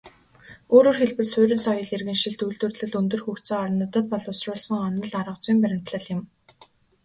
Өөрөөр хэлбэл, суурин соёл иргэншилт, үйлдвэрлэл өндөр хөгжсөн орнуудад боловсруулсан онол аргазүйн баримтлал юм.